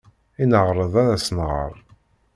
I neɛreḍ ad as-nɣer?